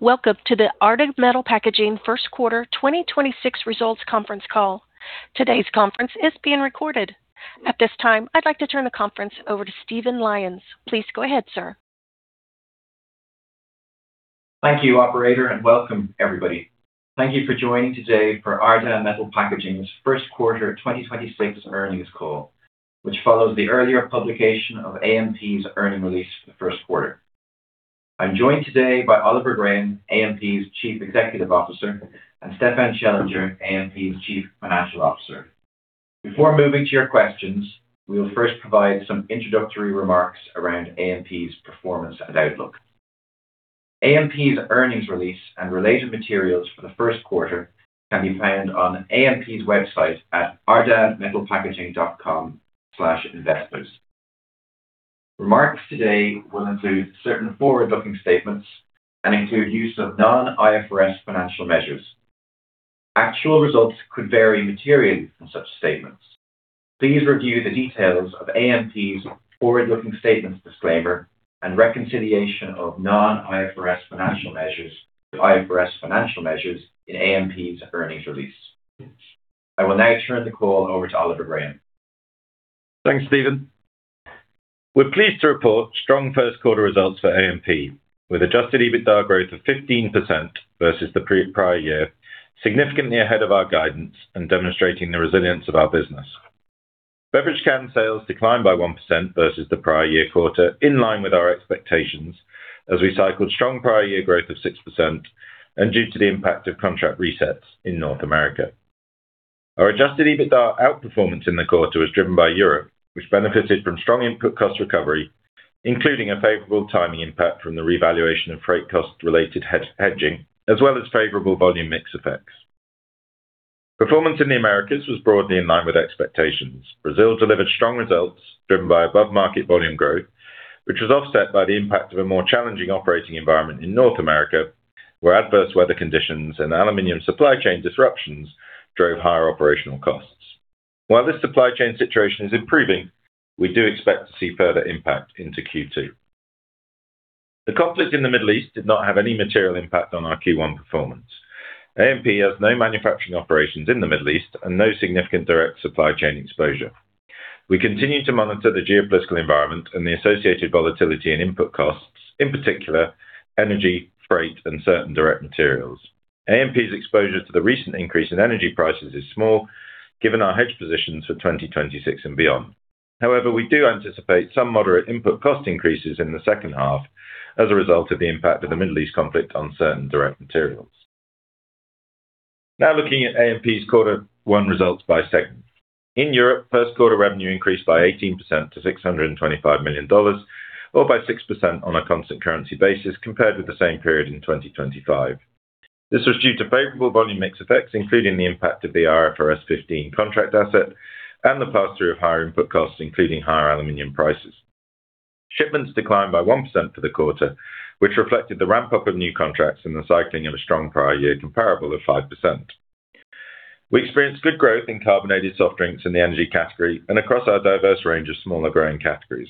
Welcome to the Ardagh Metal Packaging Q1 2026 results conference call. Today's conference is being recorded. At this time, I'd like to turn the conference over to Stephen Lyons. Please go ahead, sir. Thank you, operator, and welcome everybody. Thank you for joining today for Ardagh Metal Packaging's Q1 2026 earnings call, which follows the earlier publication of AMP's earnings release for the Q1. I'm joined today by Oliver Graham, AMP's Chief Executive Officer, and Stefan Schellinger, AMP's Chief Financial Officer. Before moving to your questions, we will first provide some introductory remarks around AMP's performance and outlook. AMP's earnings release and related materials for the Q1 can be found on AMP's website at ardaghmetalpackaging.com/investors. Remarks today will include certain forward-looking statements and include use of non-IFRS financial measures. Actual results could vary materially from such statements. Please review the details of AMP's forward-looking statements disclaimer and reconciliation of non-IFRS financial measures to IFRS financial measures in AMP's earnings release. I will now turn the call over to Oliver Graham. Thanks, Stephen. We're pleased to report strong Q1 results for AMP with adjusted EBITDA growth of 15% versus the prior year, significantly ahead of our guidance and demonstrating the resilience of our business. Beverage can sales declined by 1% versus the prior year quarter, in line with our expectations as we cycled strong prior year growth of 6% and due to the impact of contract resets in North America. Our adjusted EBITDA outperformance in the quarter was driven by Europe, which benefited from strong input cost recovery, including a favorable timing impact from the revaluation of freight cost-related hedging, as well as favorable volume mix effects. Performance in the Americas was broadly in line with expectations. Brazil delivered strong results driven by above-market volume growth, which was offset by the impact of a more challenging operating environment in North America, where adverse weather conditions and aluminum supply chain disruptions drove higher operational costs. While this supply chain situation is improving, we do expect to see further impact into Q2. The conflict in the Middle East did not have any material impact on our Q1 performance. AMP has no manufacturing operations in the Middle East and no significant direct supply chain exposure. We continue to monitor the geopolitical environment and the associated volatility and input costs, in particular energy, freight, and certain direct materials. AMP's exposure to the recent increase in energy prices is small given our hedge positions for 2026 and beyond. However, we do anticipate some moderate input cost increases in the H2 as a result of the impact of the Middle East conflict on certain direct materials. Now looking at AMP's quarter one results by segment. In Europe, Q1 revenue increased by 18% to $625 million or by 6% on a constant currency basis compared with the same period in 2025. This was due to favorable volume mix effects, including the impact of the IFRS 15 contract asset and the pass-through of higher input costs, including higher aluminum prices. Shipments declined by 1% for the quarter, which reflected the ramp-up of new contracts and the cycling of a strong prior year comparable of 5%. We experienced good growth in carbonated soft drinks in the energy category and across our diverse range of smaller growing categories.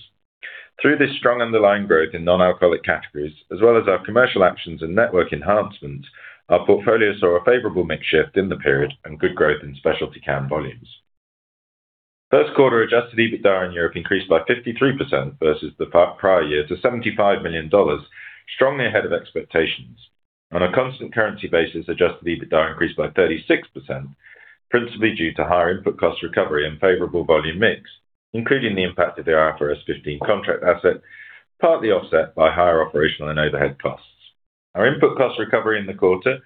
Through this strong underlying growth in non-alcoholic categories, as well as our commercial actions and network enhancements, our portfolio saw a favorable mix shift in the period and good growth in specialty can volumes. Q1 adjusted EBITDA in Europe increased by 53% versus the prior year to $75 million, strongly ahead of expectations. On a constant currency basis, adjusted EBITDA increased by 36%, principally due to higher input cost recovery and favorable volume mix, including the impact of the IFRS 15 contract asset, partly offset by higher operational and overhead costs. Our input cost recovery in the quarter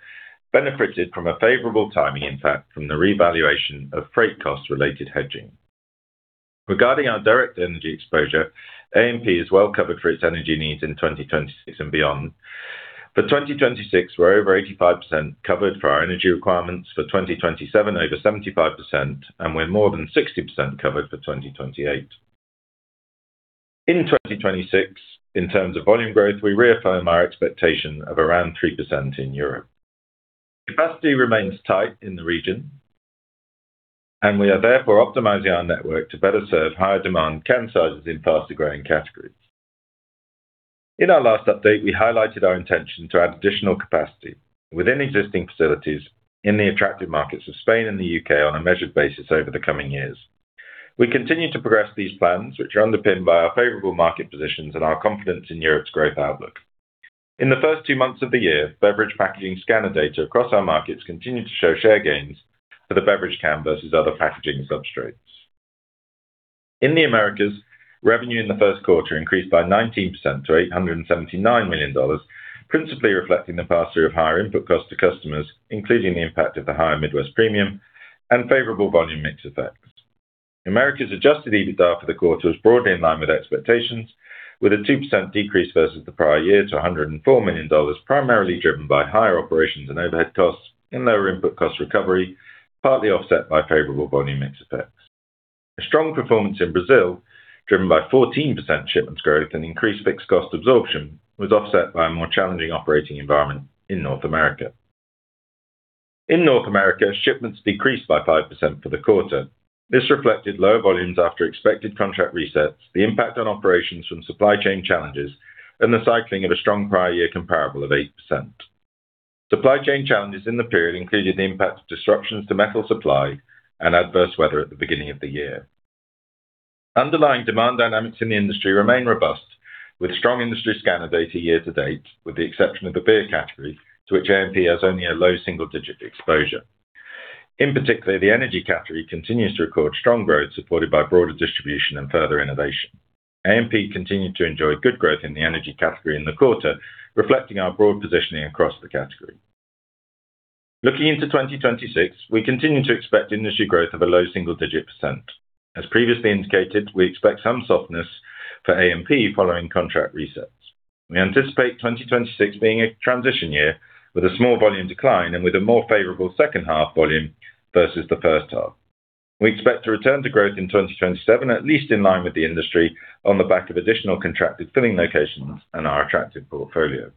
benefited from a favorable timing impact from the revaluation of freight cost-related hedging. Regarding our direct energy exposure, AMP is well covered for its energy needs in 2026 and beyond. For 2026, we're over 85% covered for our energy requirements. For 2027, over 75%, and we're more than 60% covered for 2028. In 2026, in terms of volume growth, we reaffirm our expectation of around 3% in Europe. Capacity remains tight in the region, and we are therefore optimizing our network to better serve higher demand can sizes in faster-growing categories. In our last update, we highlighted our intention to add additional capacity within existing facilities in the attractive markets of Spain and the U.K. on a measured basis over the coming years. We continue to progress these plans, which are underpinned by our favorable market positions and our confidence in Europe's growth outlook. In the first two months of the year, beverage packaging scanner data across our markets continued to show share gains for the beverage can versus other packaging substrates. In the Americas, revenue in the Q1 increased by 19% to $879 million, principally reflecting the pass-through of higher input cost to customers, including the impact of the higher Midwest premium and favorable volume mix effects. Americas adjusted EBITDA for the quarter was broadly in line with expectations, with a 2% decrease versus the prior year to $104 million, primarily driven by higher operations and overhead costs and lower input cost recovery, partly offset by favorable volume mix effects. A strong performance in Brazil, driven by 14% shipments growth and increased fixed cost absorption, was offset by a more challenging operating environment in North America. In North America, shipments decreased by 5% for the quarter. This reflected lower volumes after expected contract resets, the impact on operations from supply chain challenges, and the cycling of a strong prior year comparable of 8%. Supply chain challenges in the period included the impact of disruptions to metal supply and adverse weather at the beginning of the year. Underlying demand dynamics in the industry remain robust, with strong industry scanner data year to date, with the exception of the beer category, to which AMP has only a low single-digit exposure. In particular, the energy category continues to record strong growth, supported by broader distribution and further innovation. AMP continued to enjoy good growth in the energy category in the quarter, reflecting our broad positioning across the category. Looking into 2026, we continue to expect industry growth of a low single-digit percent. As previously indicated, we expect some softness for AMP following contract resets. We anticipate 2026 being a transition year, with a small volume decline and with a more favorable H2 volume versus the H1. We expect to return to growth in 2027, at least in line with the industry, on the back of additional contracted filling locations and our attractive portfolio.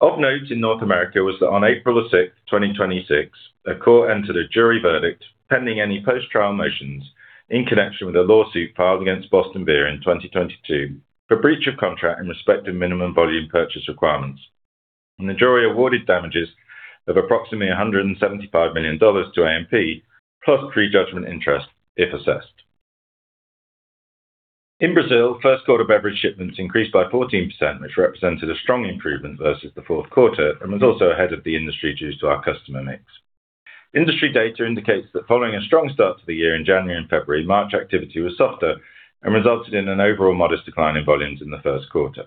Of note in North America was that on April 6th, 2026, a court entered a jury verdict pending any post-trial motions in connection with a lawsuit filed against Boston Beer in 2022 for breach of contract in respect of minimum volume purchase requirements. The jury awarded damages of approximately $175 million to AMP, plus prejudgment interest if assessed. In Brazil, Q1 beverage shipments increased by 14%, which represented a strong improvement versus the Q4 and was also ahead of the industry due to our customer mix. Industry data indicates that following a strong start to the year in January and February, March activity was softer and resulted in an overall modest decline in volumes in the Q1.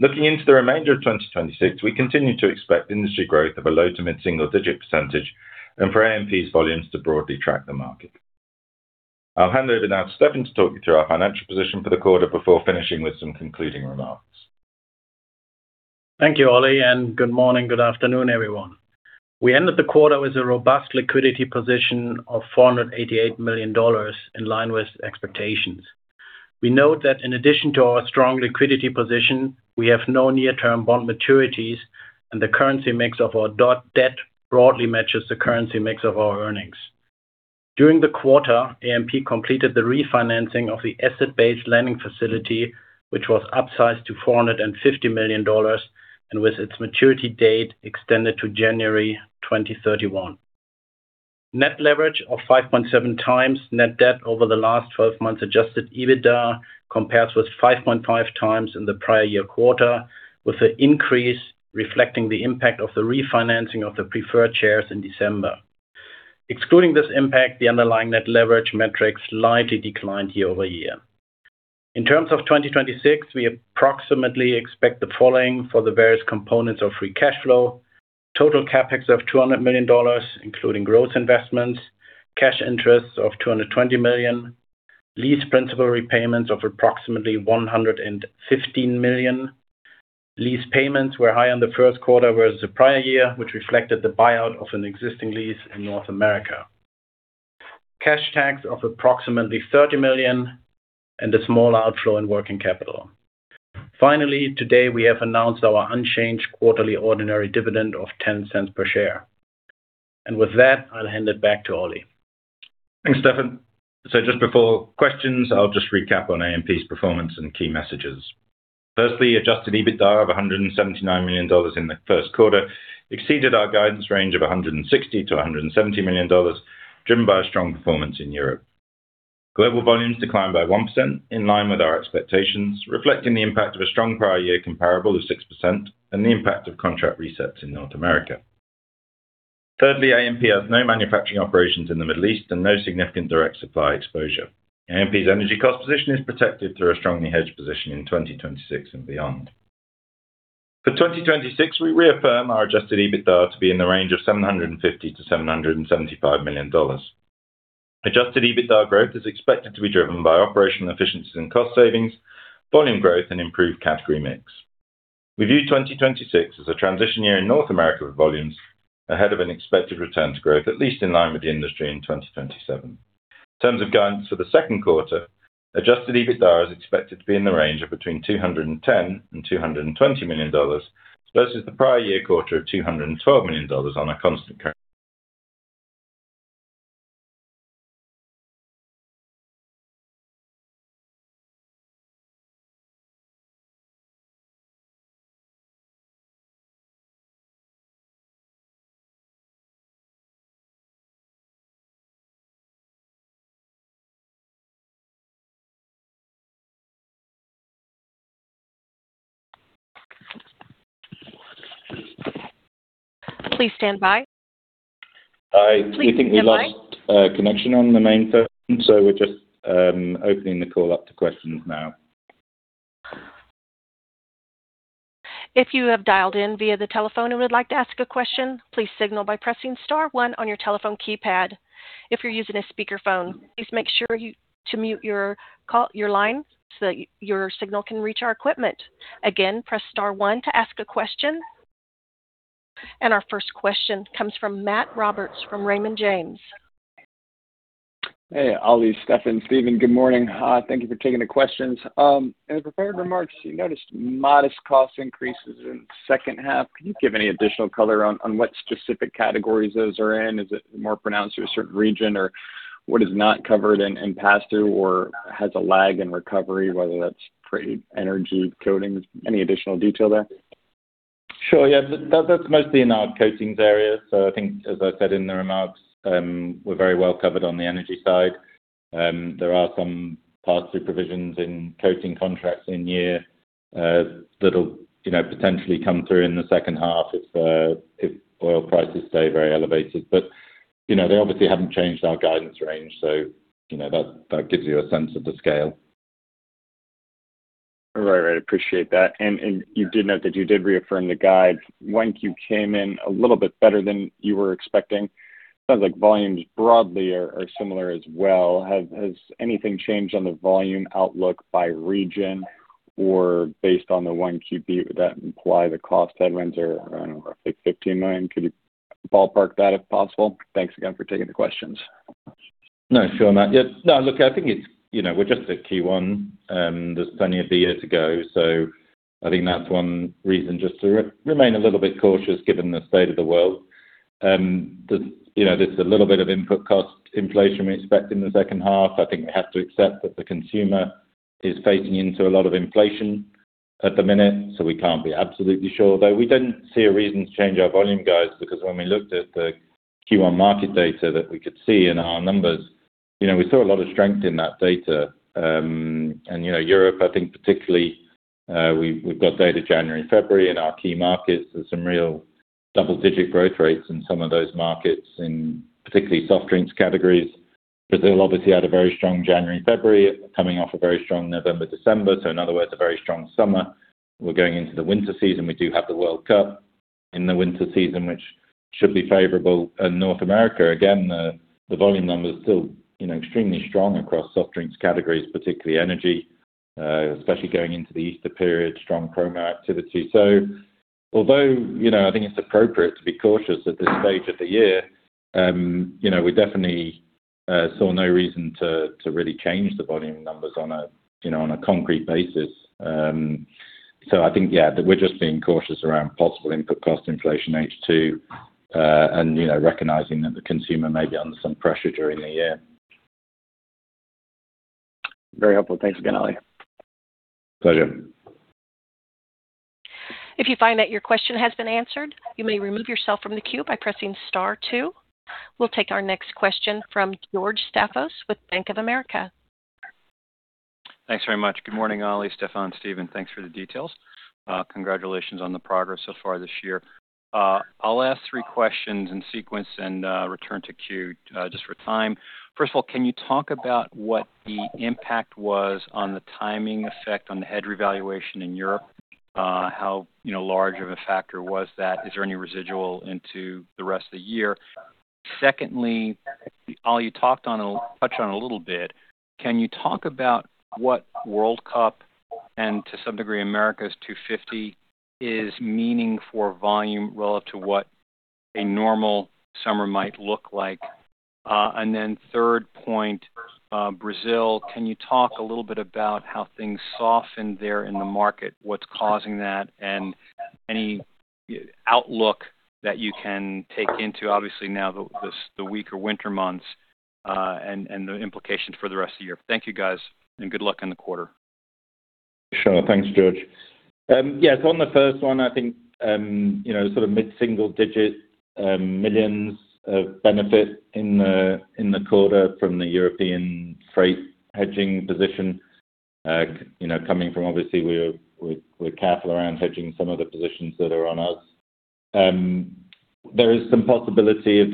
Looking into the remainder of 2026, we continue to expect industry growth of a low to mid single-digit percentage and for AMP's volumes to broadly track the market. I'll hand over now to Stefan to talk you through our financial position for the quarter before finishing with some concluding remarks. Thank you, Ollie, and good morning, good afternoon, everyone. We ended the quarter with a robust liquidity position of $488 million, in line with expectations. We note that in addition to our strong liquidity position, we have no near-term bond maturities and the currency mix of our debt broadly matches the currency mix of our earnings. During the quarter, AMP completed the refinancing of the asset-based lending facility, which was upsized to $450 million and with its maturity date extended to January 2031. Net leverage of 5.7x net debt over the last 12 months adjusted EBITDA compares with 5.5x in the prior year quarter, with the increase reflecting the impact of the refinancing of the preferred shares in December. Excluding this impact, the underlying net leverage metrics slightly declined year-over-year. In terms of 2026, we approximately expect the following for the various components of free cash flow. Total CapEx of $200 million, including growth investments, cash interests of $220 million, lease principal repayments of approximately $115 million. Lease payments were high in the Q1 versus the prior year, which reflected the buyout of an existing lease in North America. Cash tax of approximately $30 million and a small outflow in working capital. Finally, today, we have announced our unchanged quarterly ordinary dividend of $0.10 per share. With that, I'll hand it back to Ollie. Thanks, Stefan. Just before questions, I'll just recap on AMP's performance and key messages. Firstly, adjusted EBITDA of $179 million in the Q1 exceeded our guidance range of $160 million-$170 million, driven by a strong performance in Europe. Global volumes declined by 1%, in line with our expectations, reflecting the impact of a strong prior year comparable of 6% and the impact of contract resets in North America. Thirdly, AMP has no manufacturing operations in the Middle East and no significant direct supply exposure. AMP's energy cost position is protected through a strongly hedged position in 2026 and beyond. For 2026, we reaffirm our adjusted EBITDA to be in the range of $750 million-$775 million. Adjusted EBITDA growth is expected to be driven by operational efficiencies and cost savings, volume growth, and improved category mix. We view 2026 as a transition year in North America with volumes ahead of an expected return to growth, at least in line with the industry in 2027. In terms of guidance for the Q2, adjusted EBITDA is expected to be in the range of between $210 million and $220 million versus the prior year quarter of $212 million on a constant currency. Please stand by. I think we lost connection on the main phone, so we're just opening the call up to questions now. If you have dialed in via the telephone and would like to ask a question, please signal by pressing star one on your telephone keypad. If you're using a speakerphone, please make sure to mute your line so that your signal can reach our equipment. Again, press star one to ask a question. Our first question comes from Matt Roberts from Raymond James. Hey, Ollie, Stefan, Stephen. Good morning. Thank you for taking the questions. In the prepared remarks, you noticed modest cost increases in H2. Can you give any additional color on what specific categories those are in? Is it more pronounced to a certain region, or what is not covered in pass-through or has a lag in recovery, whether that's freight, energy, coatings? Any additional detail there? Sure. Yeah. That's mostly in our coatings area. I think as I said in the remarks, we're very well covered on the energy side. There are some pass-through provisions in coating contracts in year, that'll potentially come through in the H2 if oil prices stay very elevated. They obviously haven't changed our guidance range. That gives you a sense of the scale. Right. I appreciate that. You did note that you did reaffirm the guide. 1Q came in a little bit better than you were expecting. Sounds like volumes broadly are similar as well. Has anything changed on the volume outlook by region or based on the 1Q view that imply the cost headwinds are around roughly $15 million? Could you ballpark that if possible? Thanks again for taking the questions. No, sure, Matt. Look, I think we're just at Q1. There's plenty of the year to go. I think that's one reason just to remain a little bit cautious given the state of the world. There's a little bit of input cost inflation we expect in the H2. I think we have to accept that the consumer is facing into a lot of inflation at the minute, so we can't be absolutely sure. Though we didn't see a reason to change our volume guides because when we looked at the Q1 market data that we could see in our numbers, we saw a lot of strength in that data. Europe, I think particularly, we've got data January and February in our key markets. There's some real double-digit growth rates in some of those markets, in particular soft drinks categories. Brazil obviously had a very strong January and February, coming off a very strong November, December. In other words, a very strong summer. We're going into the winter season. We do have the World Cup in the winter season, which should be favorable. In North America, again, the volume numbers still extremely strong across soft drinks categories, particularly energy, especially going into the Easter period, strong promo activity. Although, I think it's appropriate to be cautious at this stage of the year, we definitely saw no reason to really change the volume numbers on a concrete basis. I think, yeah, that we're just being cautious around possible input cost inflation H2, and recognizing that the consumer may be under some pressure during the year. Very helpful. Thanks again, Ollie. Pleasure. If you find that your question has been answered, you may remove yourself from the queue by pressing star two. We'll take our next question from George Staphos with Bank of America. Thanks very much. Good morning, Ollie, Stefan, Stephen. Thanks for the details. Congratulations on the progress so far this year. I'll ask three questions in sequence and return to queue, just for time. First of all, can you talk about what the impact was on the timing effect on the hedge revaluation in Europe? How large of a factor was that? Is there any residual into the rest of the year? Secondly, Ollie, you touched on it a little bit. Can you talk about what World Cup and to some degree, America's 250th is meaning for volume relative to what a normal summer might look like? And then third point, Brazil. Can you talk a little bit about how things softened there in the market, what's causing that, and any outlook that you can take into obviously now the weaker winter months, and the implications for the rest of the year? Thank you guys, and good luck in the quarter. Sure. Thanks, George. Yes. On the first one, I think mid-single-digit millions of benefit in the quarter from the European freight hedging position, coming from obviously we're careful around hedging some of the positions that are on us. There is some possibility of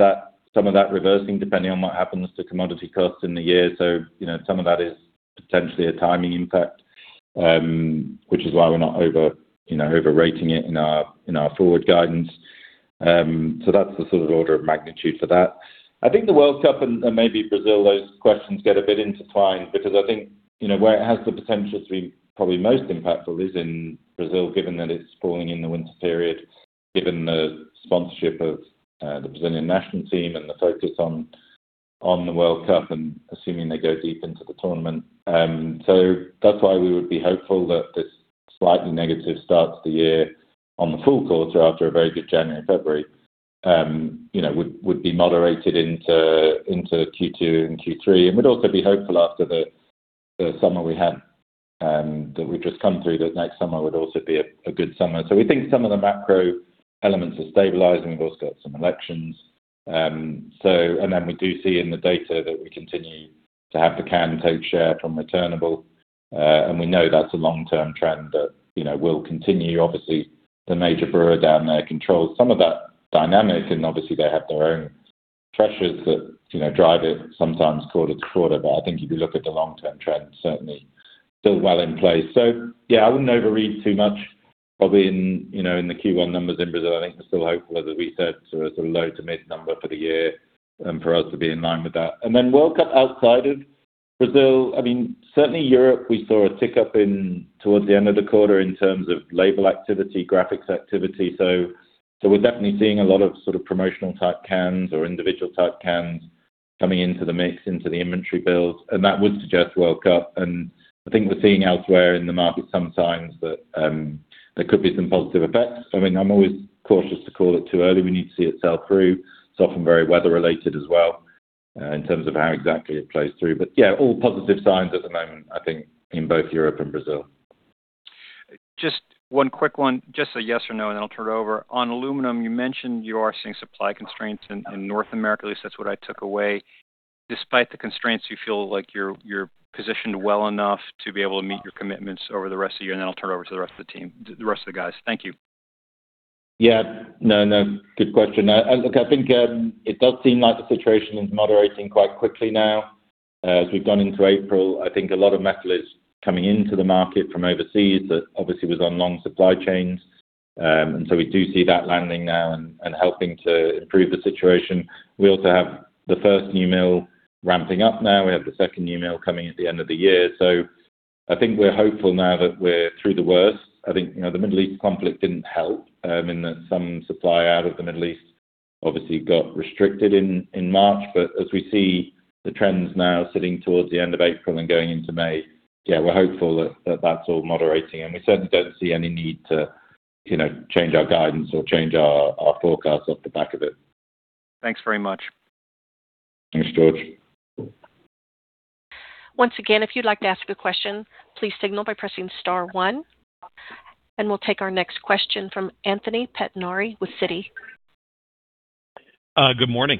some of that reversing, depending on what happens to commodity costs in the year. Some of that is potentially a timing impact, which is why we're not overrating it in our forward guidance. That's the sort of order of magnitude for that. I think the World Cup and maybe Brazil, those questions get a bit intertwined because I think, where it has the potential to be probably most impactful is in Brazil, given that it's falling in the winter period, given the sponsorship of the Brazilian national team and the focus on the World Cup, and assuming they go deep into the tournament. That's why we would be hopeful that this slightly negative start to the year on the full quarter after a very good January and February, would be moderated into Q2 and Q3. We'd also be hopeful after the summer we had, that we've just come through, that next summer would also be a good summer. We think some of the macro elements are stabilizing. We've also got some elections. Then we do see in the data that we continue to have the can take share from returnable. We know that's a long-term trend that will continue. Obviously, the major brewer down there controls some of that dynamic, and obviously they have their own pressures that drive it sometimes quarter to quarter. But I think if you look at the long-term trend, certainly still well in place. Yeah, I wouldn't overread too much probably in the Q1 numbers in Brazil. I think we're still hopeful as we said, sort of low to mid number for the year, and for us to be in line with that. Then World Cup outside of Brazil, I mean, certainly Europe, we saw a tick up towards the end of the quarter in terms of label activity, graphics activity. We're definitely seeing a lot of promotional-type cans or individual-type cans coming into the mix, into the inventory build, and that would suggest World Cup. I think we're seeing elsewhere in the market sometimes that there could be some positive effects. I mean, I'm always cautious to call it too early. We need to see it sell through. It's often very weather-related as well, in terms of how exactly it plays through. Yeah, all positive signs at the moment, I think, in both Europe and Brazil. Just one quick one, just a yes or no, and then I'll turn it over. On aluminum, you mentioned you are seeing supply constraints in North America, at least that's what I took away. Despite the constraints, you feel like you're positioned well enough to be able to meet your commitments over the rest of the year, and then I'll turn it over to the rest of the team, the rest of the guys. Thank you. Yeah. No, good question. Look, I think it does seem like the situation is moderating quite quickly now. As we've gone into April, I think a lot of metal is coming into the market from overseas that obviously was on long supply chains. We do see that landing now and helping to improve the situation. We also have the first new mill ramping up now. We have the second new mill coming at the end of the year. I think we're hopeful now that we're through the worst. I think the Middle East conflict didn't help, in that some supply out of the Middle East obviously got restricted in March. As we see the trends now sitting towards the end of April and going into May, yeah, we're hopeful that that's all moderating, and we certainly don't see any need to change our guidance or change our forecasts off the back of it. Thanks very much. Thanks, George. Once again, if you'd like to ask a question, please signal by pressing star one, and we'll take our next question from Anthony Pettinari with Citi. Good morning.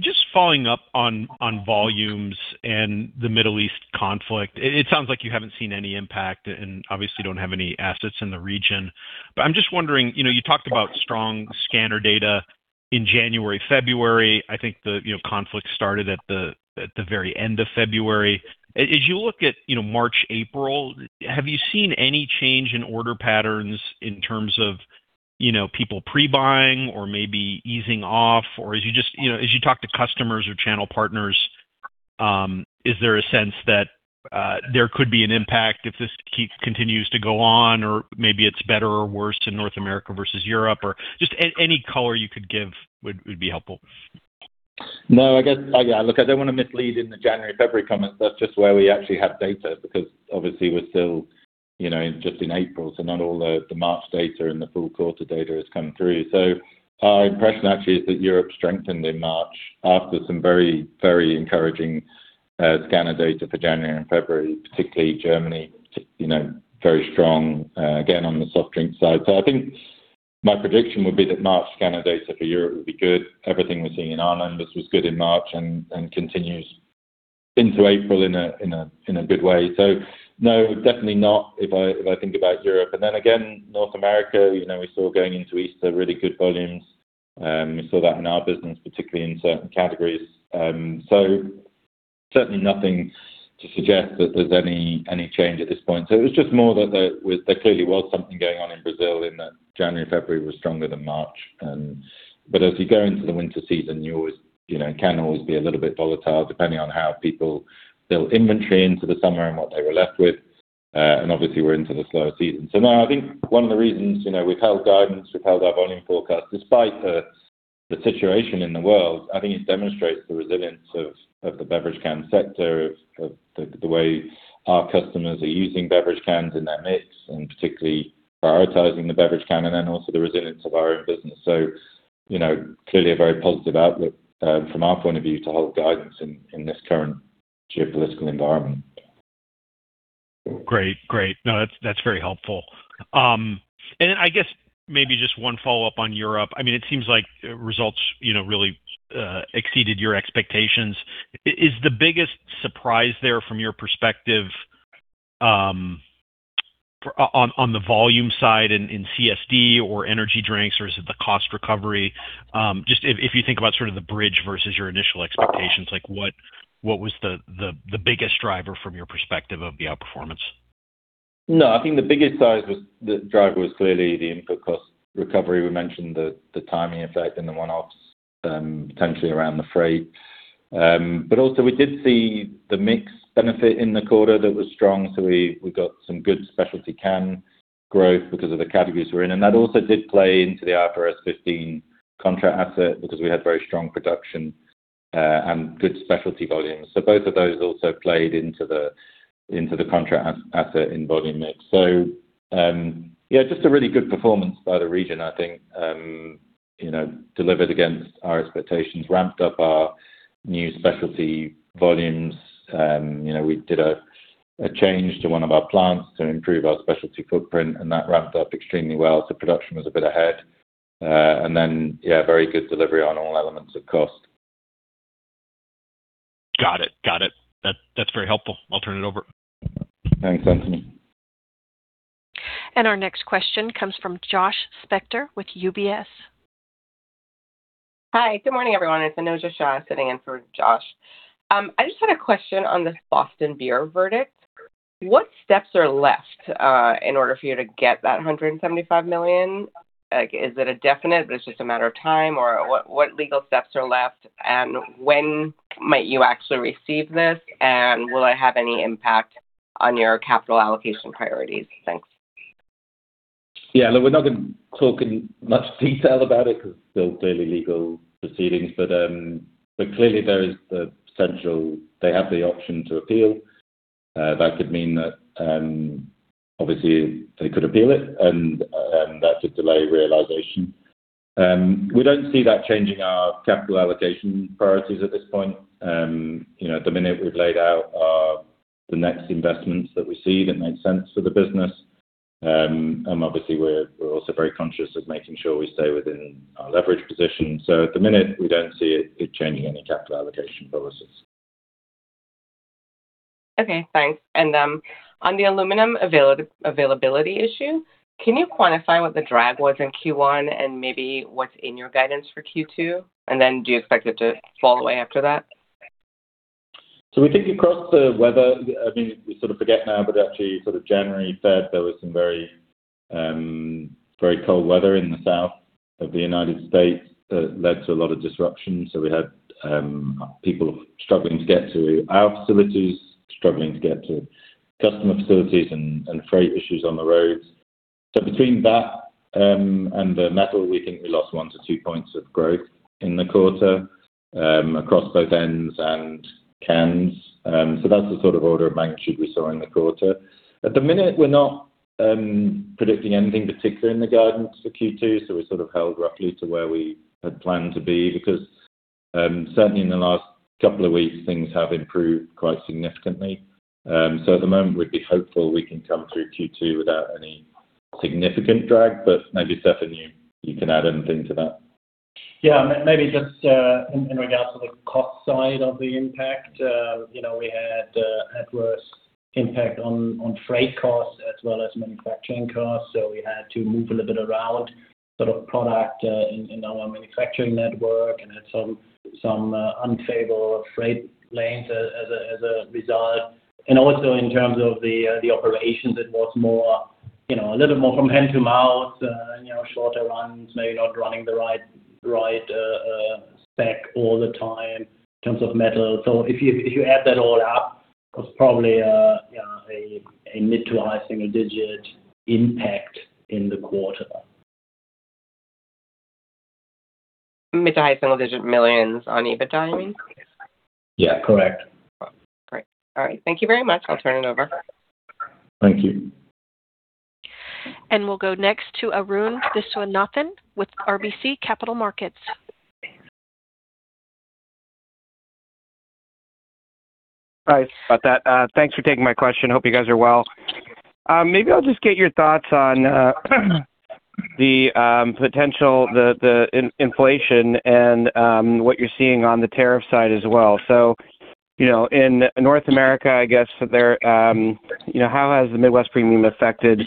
Just following up on volumes and the Middle East conflict. It sounds like you haven't seen any impact and obviously don't have any assets in the region. I'm just wondering, you talked about strong scanner data in January, February. I think the conflict started at the very end of February. As you look at March, April, have you seen any change in order patterns in terms of people pre-buying or maybe easing off? As you talk to customers or channel partners, is there a sense that there could be an impact if this continues to go on? Maybe it's better or worse to North America versus Europe, or just any color you could give would be helpful. No, I guess, look, I don't want to mislead in the January, February comments. That's just where we actually have data because obviously we're still just in April, so not all the March data and the full quarter data has come through. Our impression actually is that Europe strengthened in March after some very encouraging scanner data for January and February, particularly Germany, very strong, again, on the soft drink side. I think my prediction would be that March scanner data for Europe would be good. Everything we're seeing in Ireland, this was good in March and continues into April in a good way. No, definitely not if I think about Europe. Again, North America, even though we saw going into Easter, really good volumes. We saw that in our business, particularly in certain categories. Certainly nothing to suggest that there's any change at this point. It was just more that there clearly was something going on in Brazil in that January, February was stronger than March. As you go into the winter season, it can always be a little bit volatile depending on how people build inventory into the summer and what they were left with. Obviously we're into the slower season. No, I think one of the reasons we've held guidance, we've held our volume forecast, despite the situation in the world, I think it demonstrates the resilience of the beverage can sector, of the way our customers are using beverage cans in their mix, and particularly prioritizing the beverage can, and then also the resilience of our own business. Clearly a very positive outlook from our point of view to hold guidance in this current geopolitical environment. Great. No, that's very helpful. I guess maybe just one follow-up on Europe. I mean, it seems like results really exceeded your expectations. Is the biggest surprise there from your perspective on the volume side in CSD or energy drinks, or is it the cost recovery? Just if you think about sort of the bridge versus your initial expectations, what was the biggest driver from your perspective of the outperformance? No, I think the biggest driver was clearly the input cost recovery. We mentioned the timing effect and the one-offs potentially around the freight. We did see the mix benefit in the quarter that was strong. We got some good specialty can growth because of the categories we're in. That also did play into the IFRS 15 contract asset because we had very strong production and good specialty volumes. Both of those also played into the contract asset in volume mix. Yeah, just a really good performance by the region, I think delivered against our expectations, ramped up our new specialty volumes. We did a change to one of our plants to improve our specialty footprint, and that ramped up extremely well. Production was a bit ahead. Yeah, very good delivery on all elements of cost. Got it. That's very helpful. I'll turn it over. Thanks, Anthony. Our next question comes from Josh Spector with UBS. Hi, good morning, everyone. It's Anojja Shah sitting in for Josh. I just had a question on this Boston Beer verdict. What steps are left in order for you to get that $175 million? Is it a definite, but it's just a matter of time, or what legal steps are left, and when might you actually receive this, and will it have any impact on your capital allocation priorities? Thanks. Yeah. Look, we're not going to talk in much detail about it because it's still clearly legal proceedings. Clearly there is the potential they have the option to appeal. That could mean that obviously they could appeal it, and that could delay realization. We don't see that changing our capital allocation priorities at this point. At the minute, we've laid out the next investments that we see that make sense for the business. Obviously, we're also very conscious of making sure we stay within our leverage position. At the minute, we don't see it changing any capital allocation policies. Okay, thanks. On the aluminum availability issue, can you quantify what the drag was in Q1 and maybe what's in your guidance for Q2? Do you expect it to fall away after that? We think across the weather, we sort of forget now, but actually sort of January, February, there was some very cold weather in the South of the United States that led to a lot of disruption. We had people struggling to get to our facilities, struggling to get to customer facilities, and freight issues on the roads. Between that and the metal, we think we lost one to two points of growth in the quarter across both ends and cans. That's the sort of order of magnitude we saw in the quarter. At the minute, we're not predicting anything particular in the guidance for Q2. We're sort of held roughly to where we had planned to be because, certainly in the last couple of weeks, things have improved quite significantly. At the moment, we'd be hopeful we can come through Q2 without any significant drag. Maybe Stefan, you can add anything to that. Yeah. Maybe just in regards to the cost side of the impact. We had adverse impact on freight costs as well as manufacturing costs. We had to move a little bit around sort of product in our manufacturing network and had some unfavorable freight lanes as a result. Also in terms of the operations, it was a little more from hand to mouth and shorter runs, maybe not running the right spec all the time in terms of metal. If you add that all up, it was probably a mid- to high single-digit impact in the quarter. Mid- to high single-digit millions on EBITDA, you mean? Yeah, correct. Great. All right. Thank you very much. I'll turn it over. Thank you. We'll go next to Arun Viswanathan with RBC Capital Markets. Sorry about that. Thanks for taking my question. Hope you guys are well. Maybe I'll just get your thoughts on the potential, the inflation, and what you're seeing on the tariff side as well. In North America, I guess there, how has the Midwest premium affected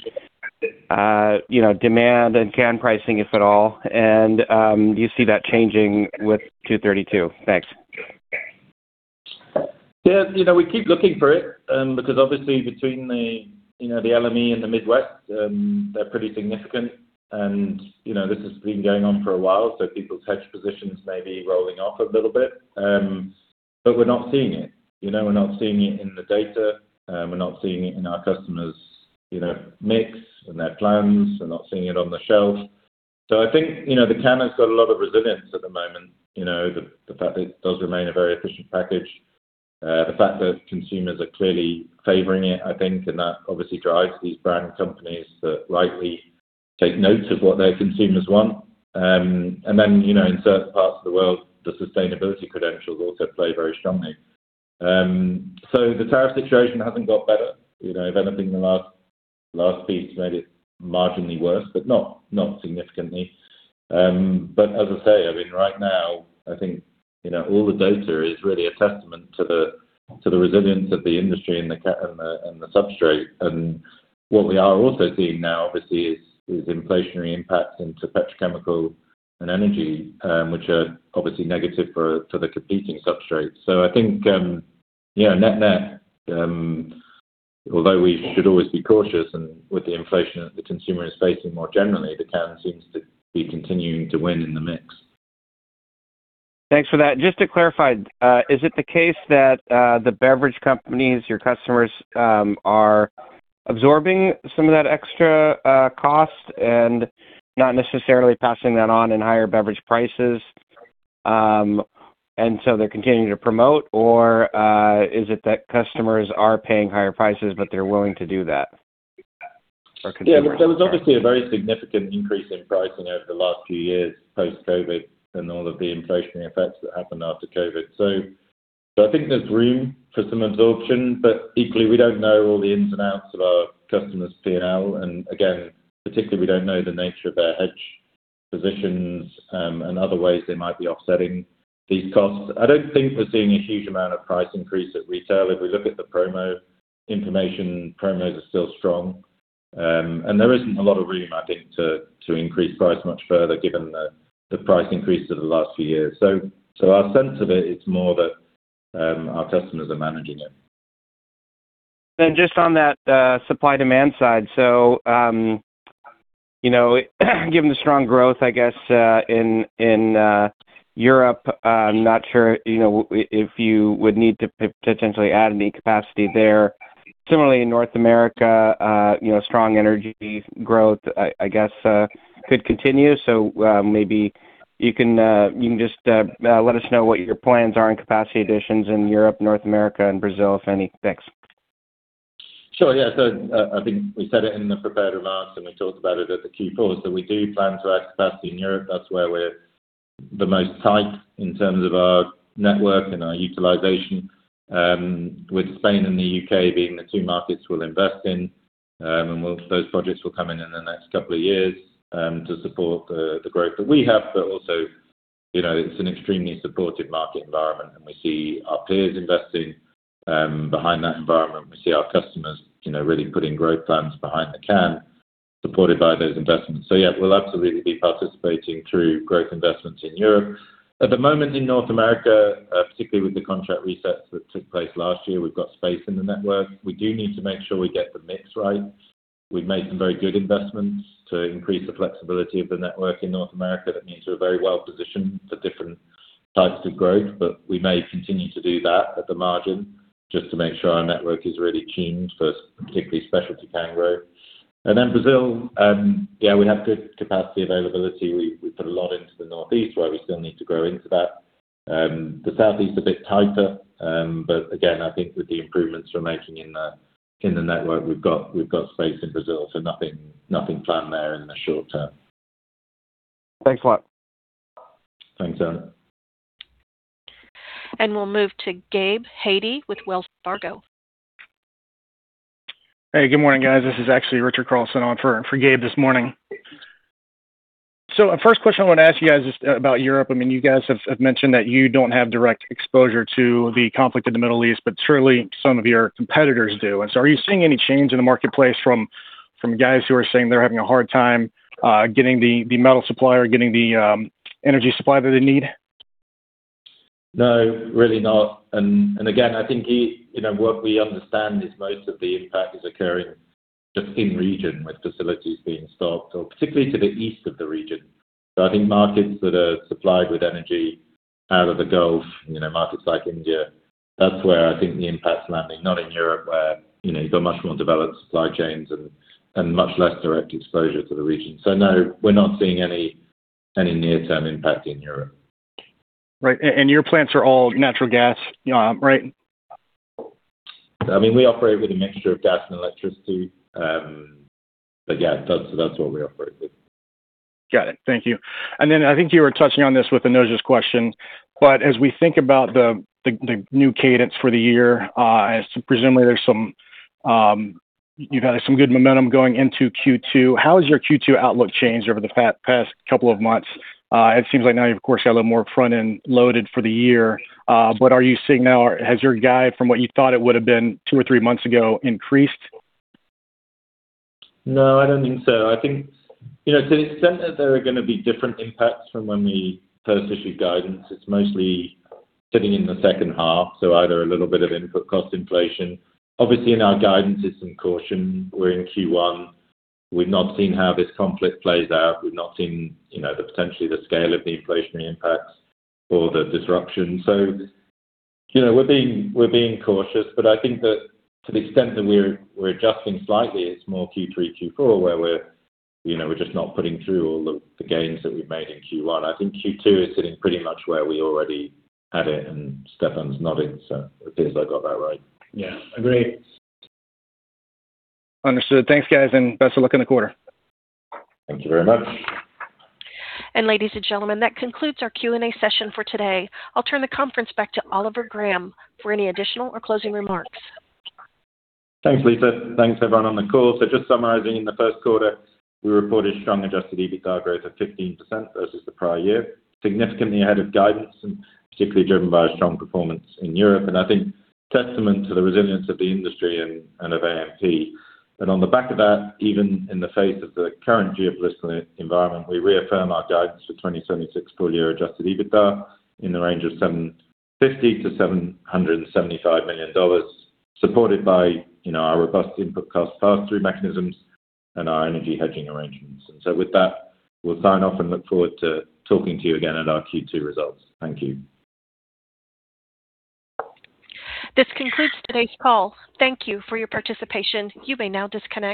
demand and can pricing, if at all? And do you see that changing with 232? Thanks. Yeah. We keep looking for it because obviously between the LME and the Midwest, they're pretty significant. This has been going on for a while, so people's hedge positions may be rolling off a little bit. We're not seeing it. We're not seeing it in the data. We're not seeing it in our customers' mix and their plans. We're not seeing it on the shelf. I think the can has got a lot of resilience at the moment. The fact that it does remain a very efficient package, the fact that consumers are clearly favoring it, I think, and that obviously drives these brand companies that rightly take note of what their consumers want. In certain parts of the world, the sustainability credentials also play very strongly. The tariff situation hasn't got better. If anything, the last piece made it marginally worse, but not significantly. As I say, I mean, right now I think all the data is really a testament to the resilience of the industry and the substrate. What we are also seeing now, obviously, is inflationary impacts into petrochemical and energy, which are obviously negative for the competing substrates. I think net-net, although we should always be cautious and with the inflation that the consumer is facing, more generally, the can seems to be continuing to win in the mix. Thanks for that. Just to clarify, is it the case that the beverage companies, your customers, are absorbing some of that extra cost and not necessarily passing that on in higher beverage prices? They're continuing to promote, or is it that customers are paying higher prices, but they're willing to do that or continue. Yeah. There was obviously a very significant increase in pricing over the last few years post-COVID and all of the inflationary effects that happened after COVID. I think there's room for some absorption. Equally, we don't know all the ins and outs of our customers' P&L, and again, particularly, we don't know the nature of their hedge positions and other ways they might be offsetting these costs. I don't think we're seeing a huge amount of price increase at retail. If we look at the promo information, promos are still strong. There isn't a lot of room, I think, to increase price much further given the price increases of the last few years. Our sense of it is more that our customers are managing it. Just on that supply-demand side. Given the strong growth, I guess, in Europe, I'm not sure if you would need to potentially add any capacity there. Similarly, in North America, strong energy growth, I guess could continue. Maybe you can just let us know what your plans are in capacity additions in Europe, North America and Brazil, if any. Thanks. Sure. Yeah. I think we said it in the prepared remarks, and we talked about it at the Q4, that we do plan to add capacity in Europe. That's where we're the most tight in terms of our network and our utilization. With Spain and the U.K. being the two markets we'll invest in, and those projects will come in in the next couple of years, to support the growth that we have. It's an extremely supportive market environment, and we see our peers investing behind that environment. We see our customers really putting growth plans behind the can, supported by those investments. Yeah, we'll absolutely be participating through growth investments in Europe. At the moment in North America, particularly with the contract resets that took place last year, we've got space in the network. We do need to make sure we get the mix right. We've made some very good investments to increase the flexibility of the network in North America. That means we're very well positioned for different types of growth. We may continue to do that at the margin just to make sure our network is really tuned for particularly specialty can growth. Then Brazil, yeah, we have good capacity availability. We put a lot into the northeast where we still need to grow into that. The southeast is a bit tighter. Again, I think with the improvements we're making in the network, we've got space in Brazil, so nothing planned there in the short term. Thanks a lot. Thanks, Arun. We'll move to Gabe Hajde with Wells Fargo. Hey, good morning, guys. This is actually Richard Carlson on for Gabe this morning. So the first question I want to ask you guys is about Europe. You guys have mentioned that you don't have direct exposure to the conflict in the Middle East, but surely some of your competitors do. Are you seeing any change in the marketplace from guys who are saying they're having a hard time getting the metal supply or getting the energy supply that they need? No, really not. Again, I think what we understand is most of the impact is occurring just in the region with facilities being stopped or particularly to the east of the region. I think markets that are supplied with energy out of the Gulf, markets like India, that's where I think the impact is landing, not in Europe, where you've got much more developed supply chains and much less direct exposure to the region. No, we're not seeing any near-term impact in Europe. Right. Your plants are all natural gas, right? We operate with a mixture of gas and electricity. Yeah, that's what we operate with. Got it. Thank you. I think you were touching on this with Anojja's question, but as we think about the new cadence for the year, presumably there's some good momentum going into Q2. How has your Q2 outlook changed over the past couple of months? It seems like now you of course have a little more front-end loaded for the year. Are you seeing now or has your guide from what you thought it would have been two or three months ago increased? No, I don't think so. I think to the extent that there are going to be different impacts from when we first issued guidance, it's mostly sitting in the H2, so either a little bit of input cost inflation. Obviously, in our guidance, there's some caution. We're in Q1. We've not seen how this conflict plays out. We've not seen the potential scale of the inflationary impacts or the disruption. We're being cautious. I think that to the extent that we're adjusting slightly, it's more Q3, Q4 where we're just not putting through all the gains that we've made in Q1. I think Q2 is sitting pretty much where we already had it, and Stefan's nodding, so it seems I got that right. Yeah. Agreed. Understood. Thanks, guys, and best of luck in the quarter. Thank you very much. Ladies and gentlemen, that concludes our Q&A session for today. I'll turn the conference back to Oliver Graham for any additional or closing remarks. Thanks, Lisa. Thanks, everyone on the call. Just summarizing, in the Q1, we reported strong adjusted EBITDA growth of 15% versus the prior year, significantly ahead of guidance and particularly driven by a strong performance in Europe. I think testament to the resilience of the industry and of AMP. On the back of that, even in the face of the current geopolitical environment, we reaffirm our guidance for 2026 full-year adjusted EBITDA in the range of $750 million-$775 million, supported by our robust input cost pass-through mechanisms and our energy hedging arrangements. With that, we'll sign off and look forward to talking to you again at our Q2 results. Thank you. This concludes today's call. Thank you for your participation. You may now disconnect.